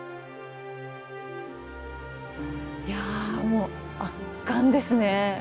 いやもう圧巻ですね。